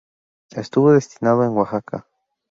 Estuvo destinado en Oaxaca.